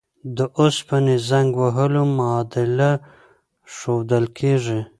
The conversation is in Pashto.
د اوسپنې زنګ وهلو معادله ښودل کیږي.